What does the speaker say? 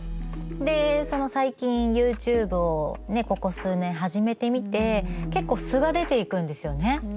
でその最近ＹｏｕＴｕｂｅをここ数年始めてみて結構素が出ていくんですよね。